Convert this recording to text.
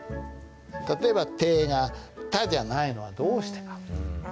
例えば「て」が「た」じゃないのはどうしてか？